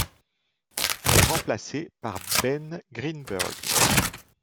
Il est remplacé par Ben Greenberg.